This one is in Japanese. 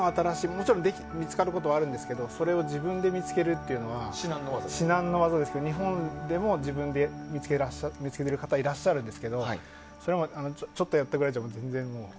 もちろん見つかることはあるんですけどそれを自分で見つけるのは至難の業ですけど日本でも自分で見つけている方いらっしゃるんですけどそれは、ちょっとやってくれって言っても全然。